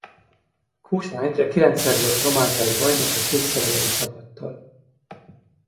Kósa Endre kilencszer volt romániai bajnok a csíkszeredai csapattal.